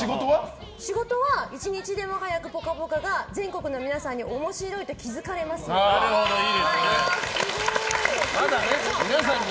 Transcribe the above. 仕事は１日でも早く「ぽかぽか」が全国の皆さんに面白いと気づかれますように。